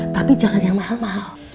tapi jangan yang mahal mahal